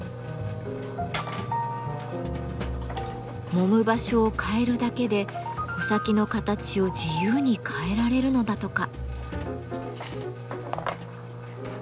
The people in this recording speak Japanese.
もむ場所を変えるだけで穂先の形を自由に変えられるのだとか。